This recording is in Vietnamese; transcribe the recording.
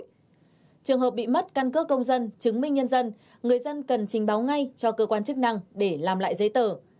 trường hợp bị mất căn cước công dân chứng minh nhân dân người dân cần trình báo ngay cho cơ quan chức năng để làm lại giấy tờ